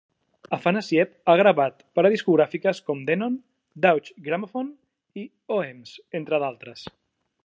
Afanassiev ha gravat per a discogràfiques com Denon, Deutsche Grammophone i Oehms, entre d'altres.